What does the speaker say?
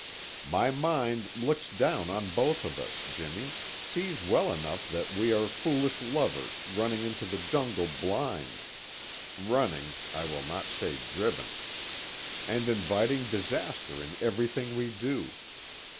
My mind looks down on both of us, Jimmy, sees well enough that we are foolish lovers running into the jungle blind (running, I will not say driven) and inviting disaster in everything we do.